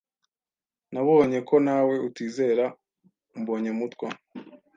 Nabonye ko nawe utizera Mbonyemutwa.